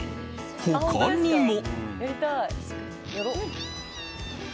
他にも。